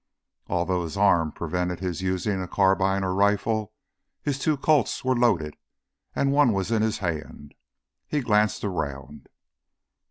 Although his arm prevented his using a carbine or rifle, his two Colts were loaded, and one was in his hand. He glanced around.